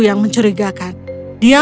yang mencurigakan dia